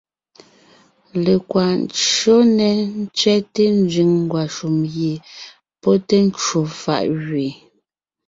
Lekwaʼ ncÿó nɛ́ tsẅɛ́te nzẅìŋ ngwàshùm gie pɔ́ té ncwò fàʼ gẅeen,